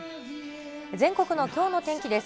全国のきょうの天気です。